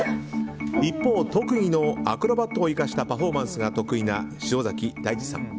一方、特技のアクロバットを生かしたパフォーマンスが得意な塩崎太智さん。